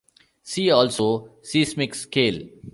See also seismic scale.